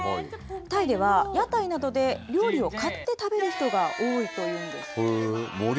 タイでは屋台などで料理を買って食べる人が多いというんです。